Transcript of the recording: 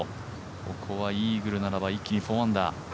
ここはイーグルならば一気に４アンダー。